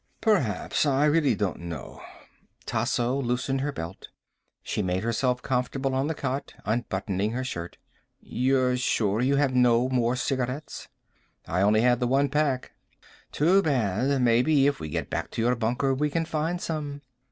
"Perhaps. I really don't know." Tasso loosened her belt. She made herself comfortable on the cot, unbuttoning her shirt. "You're sure you have no more cigarettes?" "I had only the one pack." "Too bad. Maybe if we get back to your bunker we can find some."